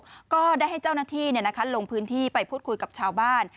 แล้วก็ได้ให้เจ้าหน้าที่ลงพื้นที่ไปพูดคุยกับชาวบ้าน